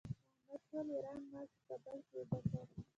احمد ټول ايران مال په کابل کې اوبه کړ.